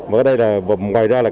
mà ở đây là ngoài ra là